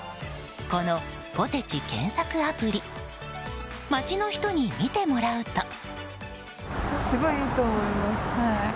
このポテチ検索アプリ街の人に見てもらうと。